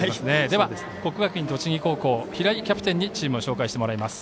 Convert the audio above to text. では国学院栃木高校平井キャプテンにチームを紹介してもらいます。